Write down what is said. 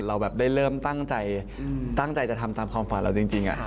เราแบบได้เริ่มตั้งใจตั้งใจจะทำตามความฝันเราจริง